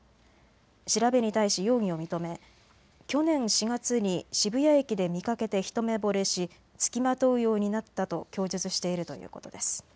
調べに対し容疑を認め去年４月に渋谷駅で見かけて一目ぼれし、付きまとうようになったと供述しているということです。